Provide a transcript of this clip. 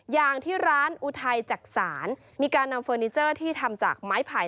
อย่างที่ร้านอุทัยจักษานมีการนำเฟอร์นิเจอร์ที่ทำจากไม้ไผ่